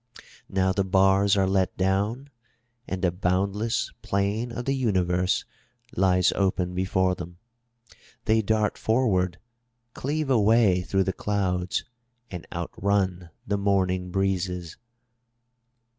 Now the bars are let down and the boundless plain of the universe lies open before them. They dart forward, cleave a way through the clouds, and outrun the morning breezes.